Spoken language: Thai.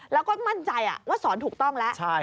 แล้วก็มั่นใจว่าสอนถูกต้องแล้ว